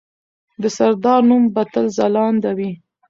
د سردار نوم به تل ځلانده وي.